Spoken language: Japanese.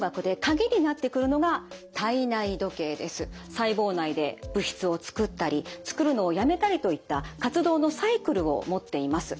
細胞内で物質を作ったり作るのをやめたりといった活動のサイクルを持っています。